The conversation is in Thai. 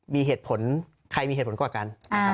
มีเหตุผลใครมีเหตุผลกว่ากัน